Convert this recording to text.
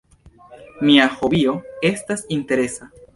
Mia hobio estas interesa.